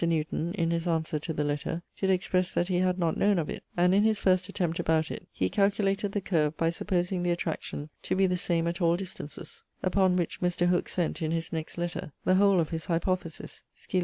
Newton, in his answer to the letter, did expresse that he had not known of it; and in his first attempt about it, he calculated the curve by supposing the attraction to be the same at all distances: upon which, Mr. Hooke sent, in his next letter, the whole of his hypothesis, scil.